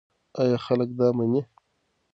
ایا خلک دا مني؟